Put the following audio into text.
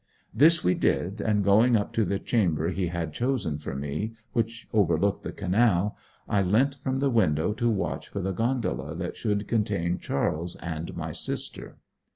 This we did, and going up to the chamber he had chosen for me, which overlooked the Canal, I leant from the window to watch for the gondola that should contain Charles and my sister.